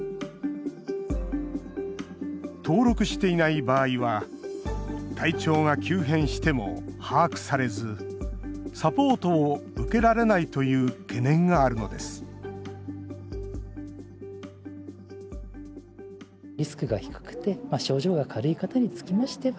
登録していない場合は体調が急変しても把握されずサポートを受けられないという懸念があるのですさらに